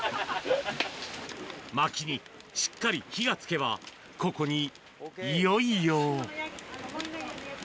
薪にしっかり火がつけば、ここにいよいよ。